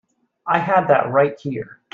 I had that right here.